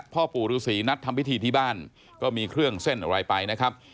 พ่อปู่ฤษีนัดทำพิธีที่บ้านก็มีเครื่องเส้นอะไรไปนะครับ